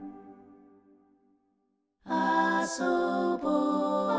「あそぼ」